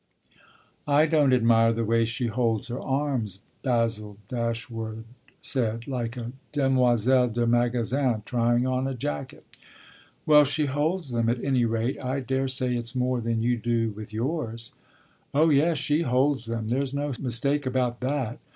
"I don't admire the way she holds her arms," Basil Dash wood said: "like a demoiselle de magasin trying on a jacket." "Well, she holds them at any rate. I daresay it's more than you do with yours." "Oh yes, she holds them; there's no mistake about that.